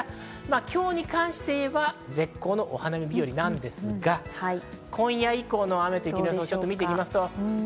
今日に関して言えば、絶好のお花見日和なんですが、今夜以降の雨を見ていきます。